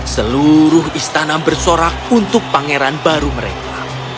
seluruh istana bersorak untuk pangeran baru mereka